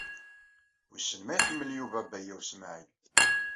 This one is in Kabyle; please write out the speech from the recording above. Wissen ma iḥemmel Yuba Baya U Smaɛil.